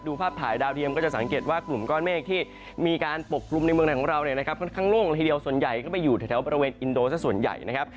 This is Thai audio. ภาพถ่ายดาวเทียมก็จะสังเกตว่ากลุ่มก้อนเมฆที่มีการปกกลุ่มในเมืองไทยของเราเนี่ยนะครับค่อนข้างโล่งละทีเดียวส่วนใหญ่ก็ไปอยู่แถวบริเวณอินโดสักส่วนใหญ่นะครับ